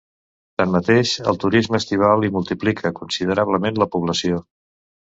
Tanmateix, el turisme estival hi multiplica considerablement la població.